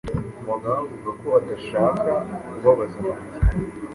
Mugabe avuga ko adashaka kubabaza Mariya.